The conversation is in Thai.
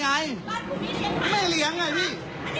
อันนี้เลี้ยงหรอครับ